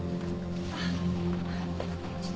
あっ。